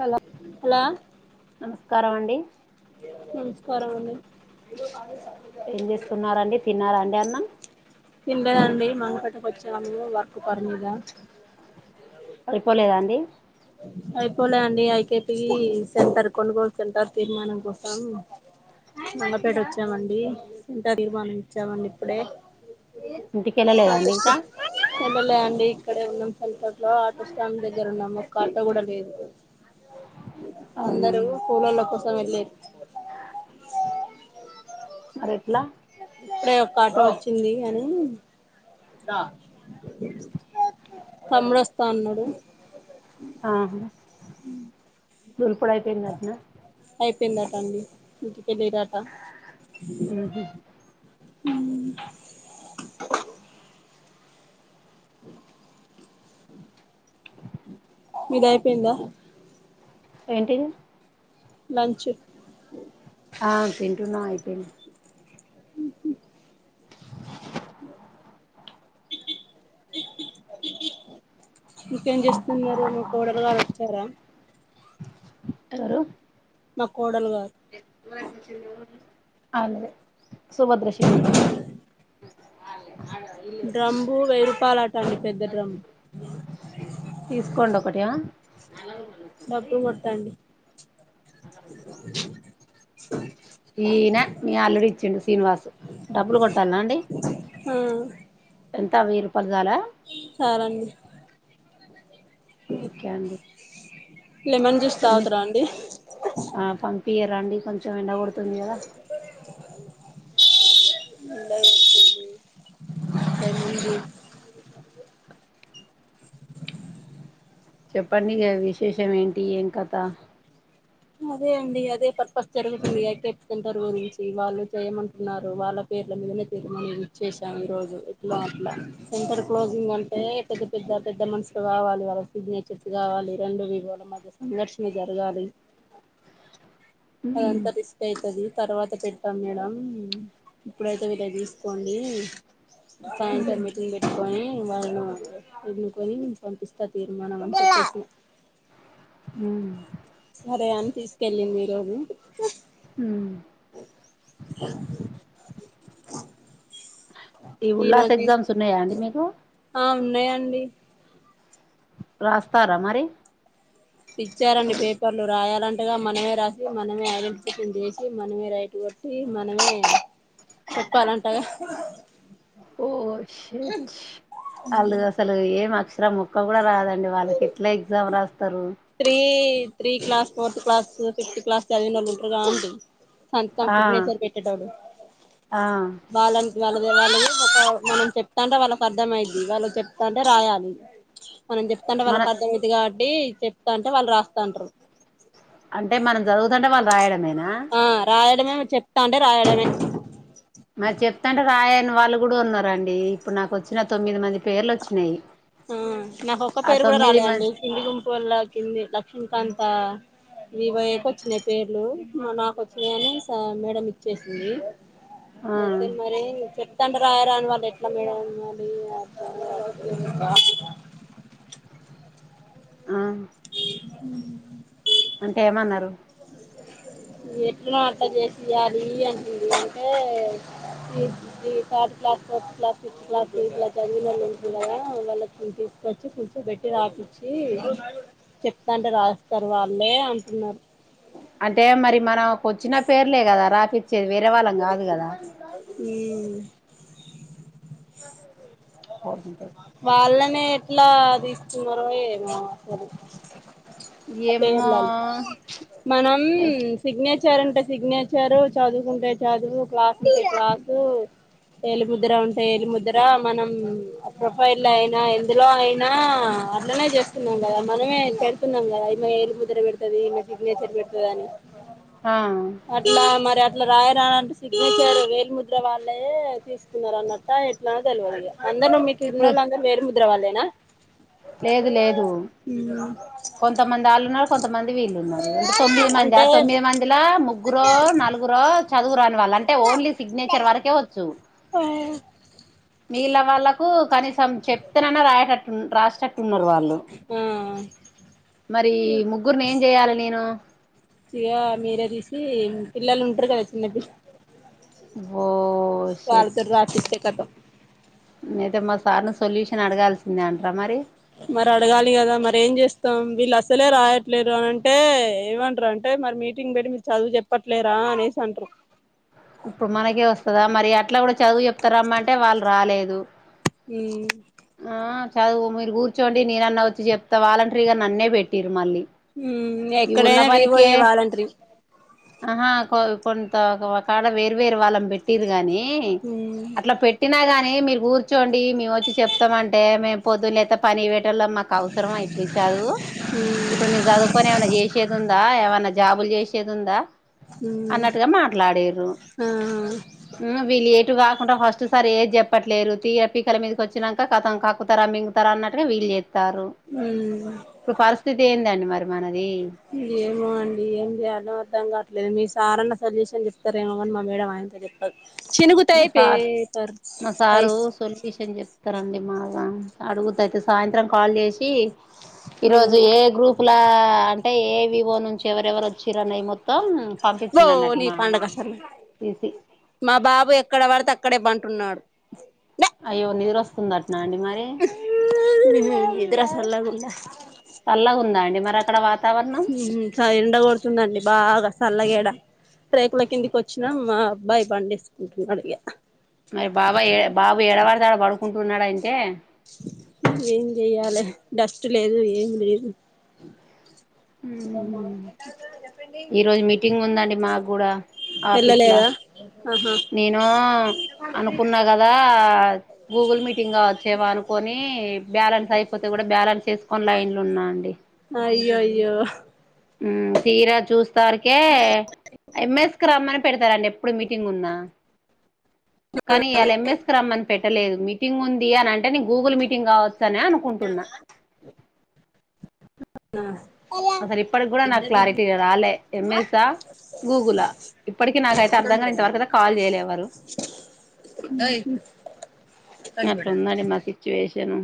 Hello hello నమస్కారం అండి నమస్కారం అండి ఏం చేస్తున్నారండి తిన్నారాండి అన్నం తిన్లేదండి మంగకోట కొంచం వచ్చాము వర్కు పని మీద అయిపోలేదా అండి అయిపోలే అండి అయిపోతది సెంటర్ కొనుగోలు సెంటర్ తీర్మానం కోసం మంగపేట వచ్చామండి ఇంకా తీర్మానం ఇచ్చామండి ఇప్పుడే ఇంటికెళ్ళలేదండి ఇంకా [unintelligible] ఇక్కడే ఉన్నాం సెంటర్ లో ఆటో స్టాండ్ దగ్గర ఉన్నాం కూలర్ లేదు అవునా అందరూ పూలల కోసం వెళ్ళిరు మరి ఎట్లా ఇప్పుడే ఒక ఆటో వచ్చింది అని తమ్ముడు వస్తా అన్నాడు ఆహ దూల్పుడయిపోయింధాట్న అయిపోయిందట అండి ఇంటిక [unintelligible] ఉహు ఉమ్ మీది అయిపోయిందా ఏంటిది లంచ్ ఆ తింటున్నా అయిపోయింది [unintelligible] [unintelligible] కోడలు వారు వచ్చారా ఎవరు మా కోడలు గారు [unintelligible] డ్రమ్ బు వెయ్యి రూపాయలాట అండి పెద్ద డ్రమ్ తీసుకోండి ఒకటి ఆహా డబులు కోటండి నిన్నా మీ అల్లుడు ఇచ్చిండు శ్రీనివాస్ డబ్బులు కొట్టాల అండి మ్ త వెయ్యి రూపాలు చాల చల్ అండి ఓకే అండి లెమన్ జ్యూస్ తొమ్మిది తాగుతరా అండి ఆ పంపియరాండి ఎండ కొడుతుంది కదా ఎండ కొడుతుంది తెలీదు చెప్పండి ఈగా విశేషం ఏంటి ఏం కత అదే అండి అదే పర్పస్ జరుగుతుంది కెట్ సెంటర్ గురించి వాళ్ళు చేయమంటున్నారు వాళ్ళ పే వచ్చేసాం ఈరోజు ఏట్లో అట్లా సెంటర్ క్లోజింగ్ అంటే పెద్ద పెద్ద పెద్ద మనుసులు కావాలి వాళ్ళ సిగ్నేచర్స్ కావాలి రెండు విధాలా మధ్య సంగర్షణ జరగాలి అదంతా రిస్క్ ఐతది తర్వాత పెట్టాం మేడం ఇప్పుడైతే వీళ్ళవి తీసుకోండి సాయంత్రం మీటింగ్ పెట్టుకొని వాళ్ళు ఎన్నకొని పంపిస్తా తీర్మానం అంటే ఆ మ్మ్ సరే అని తీసుకెళంది ఈరోజు ఈ ఉల్లాస ఈరోజు తీ ఎగ్జామ్స్ ఉన్నాయా అండి మీకు ఆ ఉన్నాయి అండి రాస్తారా మరి ఇచ్చా అండి పే పేపర్ లో రాయాలంటగా మనమే రాసి మనమే ఐడెంటిఫికేషన్ చేసి మనమే రైట్ కొట్టి మనమే చెప్పాలి అంట కదా ఓ చెట్స్ ఆలు అసలు ఏం అక్షరామ్ ముక్ క్క కూడా రాదు అండి వాళ్ళకి ఎట్లా ఎగ్జామ్ రాస్త three three class fourth class fifth class చదివినోలు ఉంటరుగా అంటి సంతకం ఆ సిగ్నేచర్ పెట్టేటోలు ఆ వాళ్ళని వాళ్ళ వాళ్ళ ఇ ఒక మనం చెప్తాంటే వాళ్ళకి అర్థం అయిద్ది వాళ్ళు చెప్తాంటే రాయాలి మనం చెప్తాంటే మన వాళ్ళకి అర్థంఅయితది కాబట్టి చెప్తా అంటే వాళ్ళు రాస్తాంటారు అంటే మనం చదువుతుంటే వాళ్ళు రాయడమే ఆ రాయడమే చెప్తాంటే రాయడమే మరి చెప్తంటే రాయని వాళ్ళు కూడా ఉన్నారు అండి ఇప్పుడు నాకు వచ్చిన తొమ్మిది మంది పేర్లు వచ్చినాయి హ నాకు ఒక్క ఆ పేరు కూడా తొమ్మిది రాలెండి మంది కింది గుంపు వల్ల కింది లక్ష్మీకాంతా వి వయకు వచ్చినయి పేర్లు నాకు ఒచ్చినాయి అనీ మేడం ఇచ్చేసింది ఆ ఐతే మరి చుప్ తండరాయారని వాళ్ళు ఎట్లా మేడం అర్ధం కావట్లేడు అ మ్మ్ అంటే ఎం అన్నారు ఎటనో అట్లా చేస్తే అది అంటింది అంతే ఈ third class fourth class five class ఎట్లా చదివినానోలు ఉంటారు కదా వాళ్లకు వచ్చి కూర్చోబెట్టి రాపిచ్చి చెప్తాంటే రాస్తారు వాళ్ళే అంటున్నారు అంటే మరీ మనం వచ్చిన పేర్లే కదా రాపిచ్చేది వేరే వాళ్ళం కాదు కదా ఉమ్ అమ్మ వాళ్ళనే ఎట్లా తీస్తున్నారో ఏమో ఆ ఏమో పేర్లాలి మనం సిగ్నేచర్ వచ్చారంటే సిగ్నేచర్ చదువుకుంటే చదువు క్లాసు ఉంటే క్లాసు ఏలిముద్ర అంటే ఏలిముద్ర మనం ప్రొఫైల్ అయినా ఎందులో అయినా అట్లనే జేస్తున్నం గదా మనమే పెడుతున్నం గదా ఏలిముద్ర వెడ్తది నా సిగ్నేచర్ వెడ్తదని ఆ అట్లా మరి అట్లా రాయరా అంటే సిగ్నేచర్ వేలు ముద్ర వాళ్ళే తీస్కున్నారన్నట్టా ఎట్లా తెలువదిగా అందలో మీకు ఇప్పుడు ఉన్నోళ్లందరూ వేలుముద్ర వాళ్ళేనా లేదు లేదు కొంతమంద్ మందాళ్ళు ఉన్నారు కొంతమంది వీళ్ళు ఉన్నారు అంటే తొమ్మిది మందా అంటే ఆ తొమ్మిది మందిలా ముగ్గురో నలుగురో చదువురాని వాళ్ళు అంటే ఓన్లీ సిగ్నేచర్ వరకే ఒచ్చు మిగిల్నా వాళ్ళలకు కనీసం చెప్తేనన్నా రాయేటట్టు రాసేటట్టు టున్నారు వాళ్ళు ఆ మరీ ముగ్గుర్ని ఏం జేయాలి నేను ఇగా మీరే దీసి పిల్లలు ఉంటరు గదా చిన్నపిల్ ఓ వాళ్లతోన్ రాపిత్తే కతం అయితే మా సార్ని సొల్యూషన్ అడగాల్సిందే అంట్రా మరి మరడగాలి గదా మరి ఏం జేస్తాం వీళ్ళసలే రాయట్లేరని అంటే ఏమంటారు అంటే మరి మీటింగ్ బెట్టి మీరు చదువు జెప్పట్లేరా అనేసి అంటరు ఇప్పుడు మనకే వొస్తదా మరి అట్లా గూడా చదువు జెప్తారమ్మంటే వాళ్ళు రాలేదు ఉమ్ ఆ చదువు మీరు కూర్చోండి నేనన్న వొచ్చి జెప్తా వాలంటరీగా నన్నే బెట్టిర్రు మళ్ళీ మ్మ్ ఈ ఉన్న ఎక్కడైనా పనికే వివోయే వాలంటరి ఆహా కొంత కాడ వేర్ వేరు వాళ్ళం బెట్టిరు గాని నీ ఉమ్ అట్లా పెట్టినా గాని మీరు గూర్చోండి మేవొచ్చి చెప్ ప్తామంటే మేం పొద్దున్ లేత్తే పనికి వెట్ టొల్లం మాకవసరమా ఇప్పుడు ఈ చదువు ఇప్పుడు మేం జదువ్కొని ఏమన్న జేసేదుందా ఏమన్నా జా జాబులు జేశేదుందా ఉమ్ అన్నట్టుగా మాట్లాడిర్రు ఆ ఉ వీలేటుగాక్ కుంట ఫస్ట్ సారీ ఏది జెప్పట్లేరు తీర పీకల మీదకొచ్చినంకా కతం కాక్కుతార మింగుతర అన్నటుగా వీల్ జేత్ తారు ఉమ్ ఇప్పుడు పరిస్థితి ఏందండి మరి మనది ఏమో అండి ఏం చేయాల్నో అర్ధం కాట్లేదు మీస్ సారన్న సొల్యూషన్ జెప్తారేమో గాని మా మేడం అయింత జెప్పద్ మా సార్ మా సారు పైస్ సొల్యూషన్ జెప్తరండి మా అడుగుతయితె సాయంత్రం కాల్ జేశి ఈరోజు ఉమ్ ఏ గ్రూప్ కులా అంటే ఏ వివో నుంచి ఎవరెవరు వచ్చిర్రనే మొత్తం ఓ పంపించిండు అన్నట్టు నీ మా పండగ సర్లే తీసి మా బాబే ఎక్కడ వడితే అక్కడే బంటున్నాడు అయ్యో నిదురొస్తుందట్నా అండి మరే నిద్ర సల్లగుండా చల్లగా ఉందా అండి మరి అక్కడ వాతావరణం ఉహు చాలా ఎండగొడుతుందండి బాగా సల్లగేడ రేకుల కిందికొచ్చినం మా అబ్బాయి బండేస్కుంటున్నాడు ఇగ మరి బాబాయ్ ఎ బాబు ఏడవడ్తె పడుకుంటున్నాడు అంటే ఏం జేయాలి డస్ట్ లేదు ఏం లేదు ఈ రోజు మీటింగ్ ఉందండి మాకు గూడా ఆఫీస్లా వెళ్ళలేదా ఆహా నేను అనుకున్నా గదా గూగుల్ మీట్ టింగా వచ్చేవా అనుకొని బ్యాలెన్స్ అయిపోతే గూడా బ్యాలెన్స్ ఎస్కొని లైన్లు ఉన్నా అండి అ యో యో హా ఉమ్ తీరా చూస్తారుకే ఎంఎస్ స్కి రమ్మని పెడతారండి ఎప్పుడు మీటింగ్ ఉన్నా కానీ ఇయాల ఎంఎస్ కి రమ్మన్ పెట్టలేదు మీటింగ్ ఉంది అని అంటే నేను గూగుల్ మీటింగ్ కావచ్చని అనుకుంటున్నా అవునా అసల్ ఇప్పడికి గూడా నాక్ క్లారిటీగ రాలే ఎం ఎస్ స గూగులా ఇప్పటికీ నాకైతే అర్ధంగా ఇంతవరకు అయితే కాల్ చేయలేవ్వరు ఓయ్ అట్లున్నది మా సిచ్యువేషన్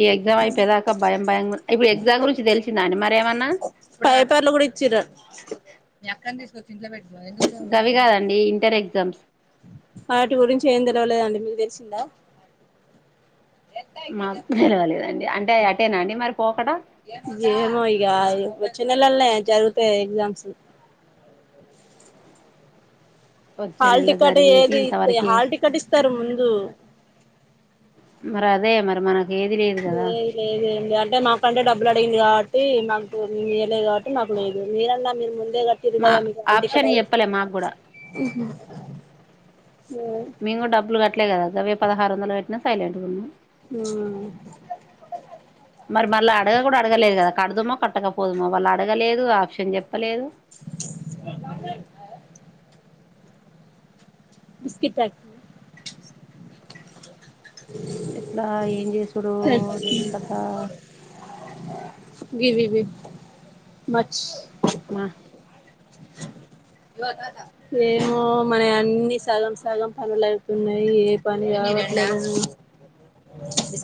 ఈ ఎగ్జామ్ అయిపోయేదాకా భయం భయం ఇప్పుడు ఎగ్జామ్ గురించి తెలిసిందానే మరీ ఏమన్నా పైపర్లు గూడా ఇచ్చర గవి గాదండి ఇంటర్ ఎగ్జామ్స్ వాటి గురించి ఏం తెలవలేదండి మీకు దేలిసిందా మాకు తెలవాలేదండి అంటే అటేనా అండి మరి పోకడా ఏ ఏమో ఇగా వచ్చే నెలలనే జరుగుతాయ్ ఎగ్జామ్స్ వచ్చే హాల్ నెలలో టికెట్ జరిగేది ఏది ఇస్తే ఇంతవరకి హాల్ టికెట్ ఇస్తరు ముందు మరి అదే మరి మన లేదు లేదు ఏంలేదు అంటే మాకంటే డబ్బులు అడిగింది గా టి మాకు ఇయ్యాలేదు కాబట్టి మాకు లేదు మీ రన్నా మీరు ము ఎందరు కట్టిలు మా కదా మీరు హాల్ టికెట్ ఆప్షన్ అవు చెప్పలే మాకు కూడా ఉహు మేము డబ్బులు కట్టలే గదా అ పదహారు వందలు కట్టినాం సైలెంట్గ ఉన్నం ఉమ్ మరి మళ్ళ అడగ కూడా అడగలేదు గదా కడుదుమో కట్టకపోదుమో వాళ్ళు అడగలేదు ఆప్షన్ చెప్పలేదు బిస్కిట్ ప్యాకెట్ ఎట్లా ఏం చేసూడు ఏం కథా గిరివి మచ్ మా ఏమో మనై అన్నీ సగం సగం పనులు అయితున్నాయి ఏ పని గ [unintelligible]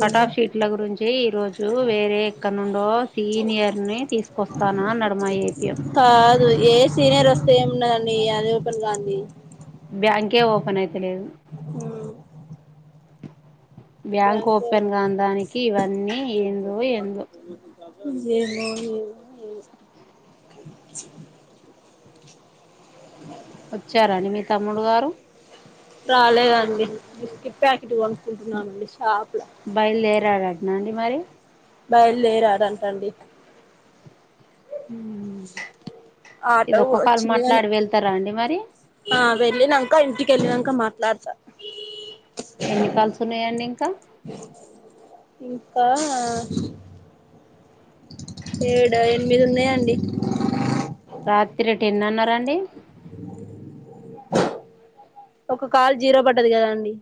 కట్ ఆఫ్ షీట్ల గురించి ఈ రోజు వేరే ఎక్కడ నుండో సీనియర్నె తీసుకొస్తాను అన్నాడు మా ఏపీఎం కాదు ఏ సీనియర్ వస్తే ఏమున్నదాండి అది ఓపెన్ గాంది బ్యాంకే ఓపెన్ అయితలేదు బ్యాంక్ బ్యాంకు ఓపెన్ గాన్ దానికి ఇవన్నీ ఎందో ఎందో ఏందో ఏవో వచ్చారండి మీ తమ్ముడు వారు రాలేదండి ఇ కొనుక్కుంటున్నామండి షాపుల బయలుదేరాడటనా అండి మరి? బయలుదేరాడంటండి ఆటో ఇది ఒక్క కూడా కాల్ వచ్చింది కాని మాట్లాడి వెళ్తారా అండి మరి ఆ వెళ్ళినంక ఇంటిక వెళ్ళినాక మాట్లాడుతా ఎన్ని కాల్స్ ఉన్నాయండి ఇంకా ఇంకా ఏడ ఏడ ఎనిమిది ఉన్నాయండి రాత్రి టెన్ అన్నారాండి ఒక కాల్ జీరో పడ్డది గదా అండి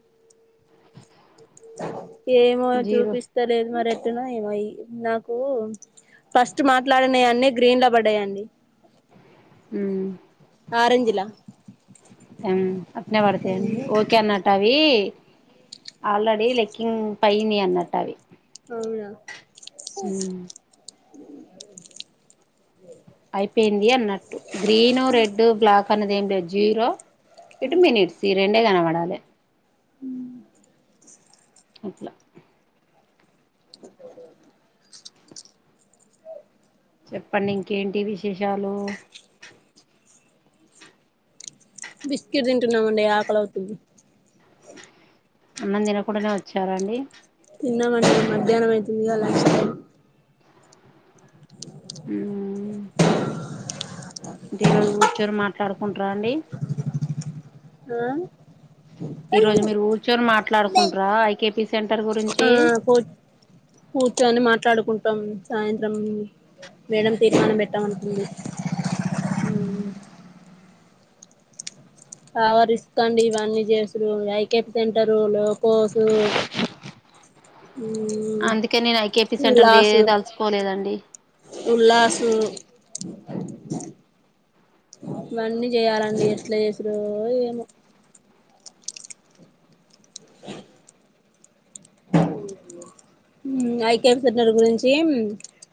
ఏమో జీరో చూపిస్తలేదు మరి ఎ ఎట్లనో ఏమో అయి నాకు ఫస్ట్ మాట్లాడినయ్ అన్నీ గ్రీన్ లో బడ్డాయండి మ్ ఆరేంజ్ లా ఉమ్ అట్లనే పడతేయండి ఓకే అన్నాట్ట అవి ఆల్రెడీ లెక్కింగ్ పైనే అన్నట్టు అవి అవునా ఉమ్ [unintelligible] అయిపోయింది అన్నట్టు గ్రీను రెడ్ బ్లాక్ అన్నది ఎం లేదు జీరో ఇటు మినిట్స్ ఈ రెండే కనవడాలె ఉ అట్లా చెప్పండి ఇంకేంటి విశేషాలు బిస్కెట్ తింటున్నామండి ఆకలవుతుంది అన్నం తిన కుండనే వచ్చారా అండి తిన్నమండి మధ్యాహ్నం అవుతుందిగా లంచ్ టైం ఉమ్ అంటే ఈరోజు కూర్చొని మాట్లాడుకుంటార అండి ఆ ఈరోజు మీరు కూర్చొని మాట్లాడుకుంటార ఐకేపీ సెంటర్ ఆ గురించి కూ కూర్చొని మాట్లాడుకుంటాం సాయంత్రం మేడం తీర్మానం పెట్టామంటుంది ఉమ్ పవర్ ఇసుకోండి ఇవన్నీ చేసుడు ఐకెప్ సెంటరు లోకోసు మ్మ్ అందుకే నేను ఐకేపీ సెంటర్ది ఏ ఉల్లాసు తలుసుకోలేదండి ఉల్లాసు ఇవన్నీ చేయాలండి ఎట్లా చేసుడో ఏమో మ్ ఐక్యసనర్ గురించి